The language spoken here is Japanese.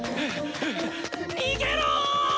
逃げろぉ！